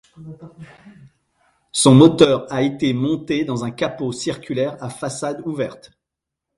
Son moteur a été monté dans un capot circulaire à façade ouverte.